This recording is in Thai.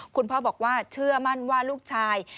คุณพ่อบอกว่าเชื่อมั่นว่าลูกชาย